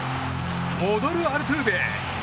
戻るアルトゥーベ。